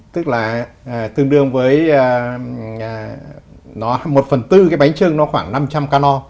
tức là tương đương với nó một phần bốn cái bánh trưng nó khoảng năm trăm linh cano